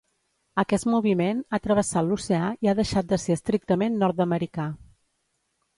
Aquest moviment ha travessat l’oceà i ha deixat de ser estrictament nord-americà.